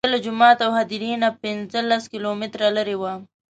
دده له جومات او هدیرې نه پنځه لس کیلومتره لرې وه.